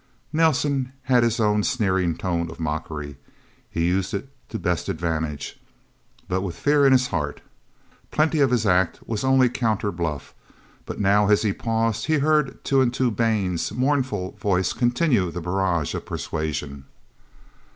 Nelsen had his own sneering tone of mockery. He used it to best advantage but with fear in his heart. Plenty of his act was only counter bluff. But now, as he paused, he heard Two and Two Baines' mournful voice continue the barrage of persuasion.